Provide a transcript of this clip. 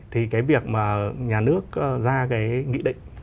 thì cái việc mà nhà nước ra cái nghị định